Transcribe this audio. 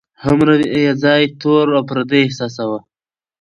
هومره یې ځان تور او پردی احساساوه.